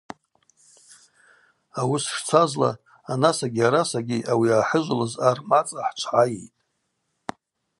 Ауыс шцазла анасагьи арасагьи ауи йгӏахӏыжвылыз ар мацӏа хӏчвгӏайитӏ.